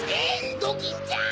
ドキンちゃん